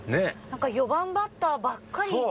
何か４番バッターばっかりねっ！